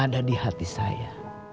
ada di hati saya